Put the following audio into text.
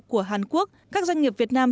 của hàn quốc các doanh nghiệp việt nam